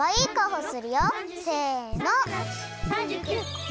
せの！